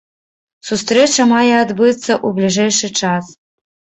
Сустрэча мае адбыцца ў бліжэйшы час.